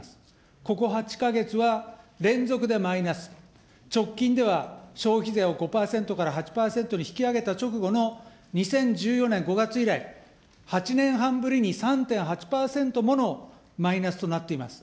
ここ８か月は連続でマイナス、直近では消費税を５％から８％に引き上げた直後の２０１４年５月以来、８年半ぶりに３．８％ものマイナスとなっています。